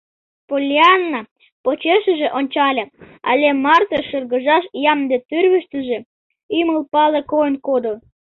Поллианна почешыже ончале, але марте шыргыжаш ямде тӱрвыштыжӧ ӱмыл пале койын кодо.